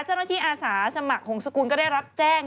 เจ้าหน้าที่อาสาสมัครหงษกุลก็ได้รับแจ้ง